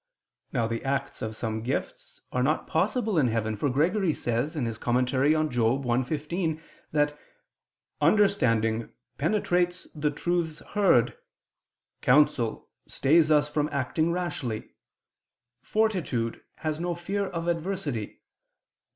Now the acts of some gifts are not possible in heaven; for Gregory says (Moral. i, 15) that "understanding ... penetrates the truths heard ... counsel ... stays us from acting rashly ... fortitude ... has no fear of adversity